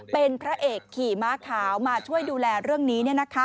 เป็นพระเอกขี่ม้าขาวมาช่วยดูแลเรื่องนี้